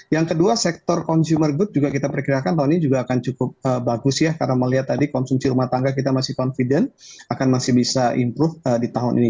yang kedua sektor consumer good juga kita perkirakan tahun ini juga akan cukup bagus ya karena melihat tadi konsumsi rumah tangga kita masih confident akan masih bisa improve di tahun ini